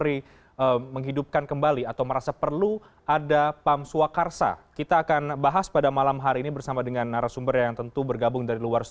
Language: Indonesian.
ya itu sudah diatur tentang